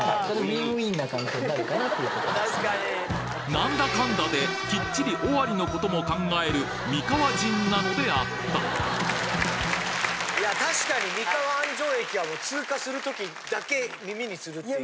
なんだかんだできっちり尾張のことも考える三河人なのであったいや確かに三河安城駅は通過するときだけ耳にするっていう。